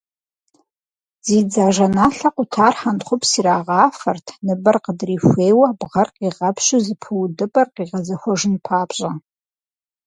Зи дзажэналъэ къутар хьэнтхъупс ирагъафэрт ныбэр къыдрихуейуэ, бгъэр къигъэпщу зэпыудыпӏэр къигъэзахуэжын папщӏэ.